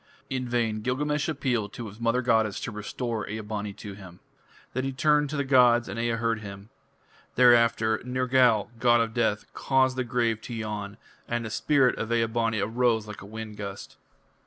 In vain Gilgamesh appealed to his mother goddess to restore Ea bani to him. Then he turned to the gods, and Ea heard him. Thereafter Nergal, god of death, caused the grave to yawn, and the spirit of Ea bani arose like a wind gust.